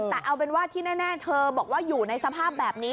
แต่เอาเป็นว่าที่แน่เธอบอกว่าอยู่ในสภาพแบบนี้